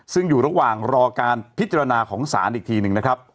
ซึ่งอยู่ระหว่างรอการพิจารณาของศาลอีกทีหนึ่งนะครับ